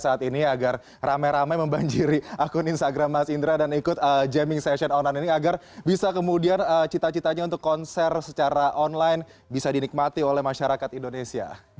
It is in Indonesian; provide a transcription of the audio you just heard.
saat ini agar ramai ramai membanjiri akun instagram mas indra dan ikut jamming session online ini agar bisa kemudian cita citanya untuk konser secara online bisa dinikmati oleh masyarakat indonesia